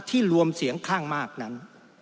รวมเสียงข้างมากนั้น